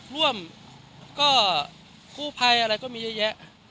ร่วมก็คู่ภัยอะไรก็มีเยอะ